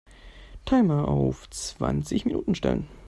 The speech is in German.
Timer auf zwanzig Minuten stellen.